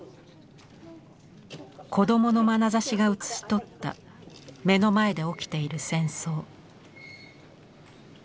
子どものまなざしが写し取った目の前で起きている戦争。